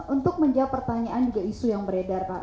untuk menjawab pertanyaan juga isu yang beredar pak